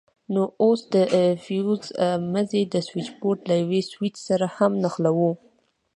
نو اوس د فيوز مزي د سوېچبورډ له يوه سوېچ سره هم نښلوو.